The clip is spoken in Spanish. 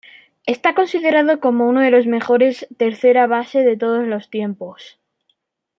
Está considerado como uno de los mejores tercera base de todos los tiempos.